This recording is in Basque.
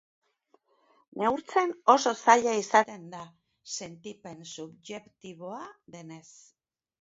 Neurtzen oso zaila izaten da, sentipen subjektiboa denez.